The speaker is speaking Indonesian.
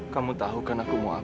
kamu tahu kan aku mau apa tan